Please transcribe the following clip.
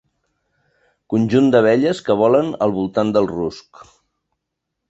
Conjunt d'abelles que volen al voltant del rusc.